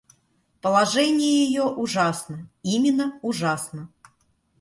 Положение ее ужасно, именно ужасно.